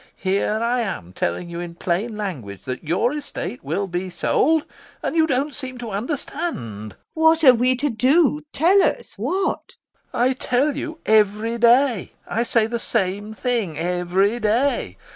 Here I am telling you in plain language that your estate will be sold, and you don't seem to understand. LUBOV. What are we to do? Tell us, what? LOPAKHIN. I tell you every day. I say the same thing every day.